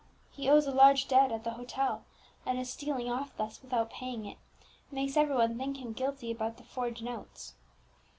He owes a large debt at the hotel, and his stealing off thus, without paying it, makes every one think him guilty about the forged notes."